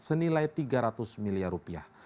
senilai tiga ratus miliar rupiah